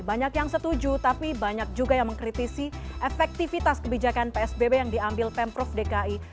banyak yang setuju tapi banyak juga yang mengkritisi efektivitas kebijakan psbb yang diambil pemprov dki